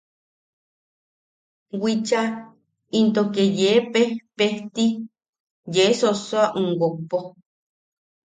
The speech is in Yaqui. Wicha into ke yee pejpejti yee sossoa um wokpo.